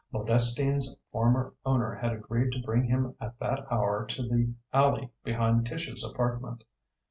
Modestine's former owner had agreed to bring him at that hour to the alley behind Tish's apartment.